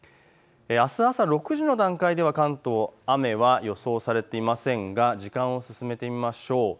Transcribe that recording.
あす朝６時の段階では関東雨は予想されていませんが時間を進めてみましょう。